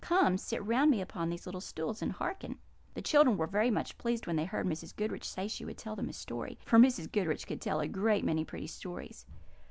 Come, sit round me upon these little stools, and hearken." The children were very much pleased when they heard Mrs. Goodriche say she would tell them a story, for Mrs. Goodriche could tell a great many pretty stories.